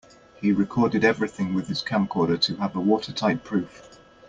He recorded everything with his camcorder to have a watertight proof.